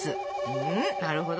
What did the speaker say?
うんなるほど。